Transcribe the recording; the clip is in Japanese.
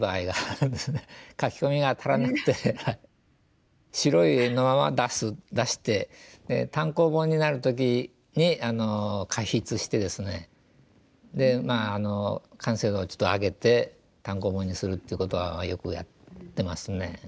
描き込みが足らなくて白い絵のまま出す出して単行本になる時に加筆してですねでまあ完成度をちょっと上げて単行本にするっていうことはよくやってますね。